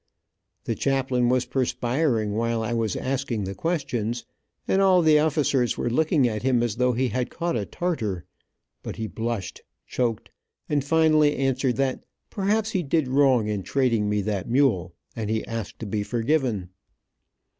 The chaplain was perspiring while I was asking the questions, and all the officers were looking at him as though he had caught a tartar, but he blushed, choked, and finally answered that perhaps he did wrong in trading me that mule, and he asked to be forgiven.